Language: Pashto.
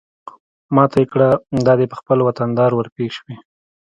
ما ته يې کړه دا دى په خپل وطندار ورپېښ شوې.